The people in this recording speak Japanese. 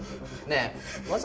ねえ。